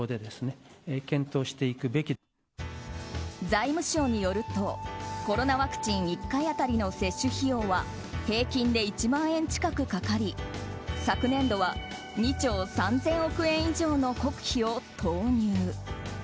財務省によるとコロナワクチン１回当たりの接種費用は平均で１万円近くかかり昨年度は２兆３０００億円以上の国費を投入。